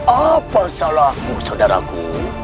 apa salahku saudaraku